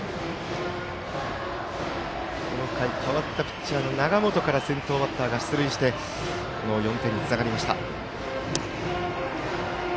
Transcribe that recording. この回代わったピッチャーの永本から先頭バッターが出塁してこの４点につながりました。